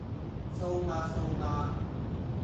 蘇媽蘇媽？